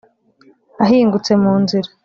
ahingutse mu nziza